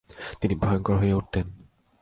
তিনি ভয়ঙ্কর হয়ে উঠতেন।